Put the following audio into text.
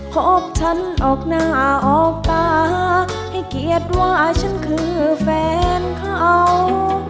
พบฉันออกหน้าออกตาให้เกียรติว่าฉันคือแฟนเขา